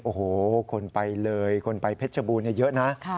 โอ้โหคนไปเลยคนไปเพชรบูรณ์เยอะนะ